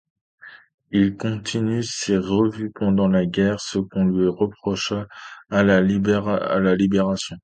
Il continue ses revues pendant la guerre, ce qu'on lui reprochera à la Libération.